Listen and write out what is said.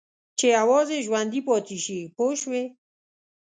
چې یوازې ژوندي پاتې شي پوه شوې!.